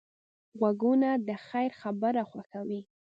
غوږونه د خیر خبره خوښوي